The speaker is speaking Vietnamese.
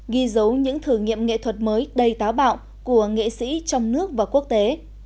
ghi dấu những thử nghiệm nghệ thuật mới đầy táo bạo của nghệ sĩ trong nước và quốc tế